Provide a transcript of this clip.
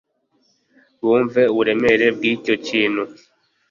bumve uburemere bw'icyo kintu